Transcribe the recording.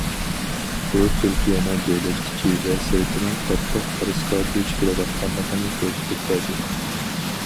بۇ تۈركىيەنىڭ دۆلەت ئىچى ۋە سىرتىنىڭ قاتتىق خىرىسقا دۇچ كېلىۋاتقانلىقىنى كۆرسىتىپ بەردى.